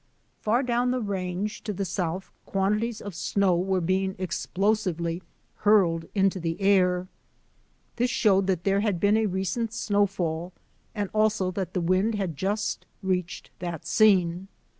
Far down the range to the south quantities of snow were being explosively hurled into the air. This showed that there had been a recent snowfall and also that the wind had just reached that scene.